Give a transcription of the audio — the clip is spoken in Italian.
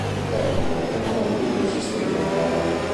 Al termine del confronto i due si stringono la mano.